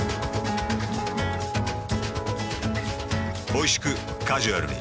おいしくカジュアルに。